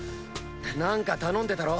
何か頼んでたろ？